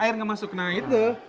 air gak masuk nah itu